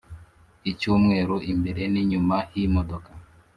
icy’umweru imbere n’inyuma h’imodoka